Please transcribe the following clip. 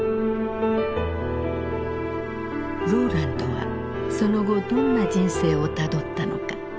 ローランドはその後どんな人生をたどったのか。